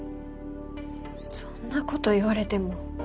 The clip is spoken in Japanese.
そんなこと言われても。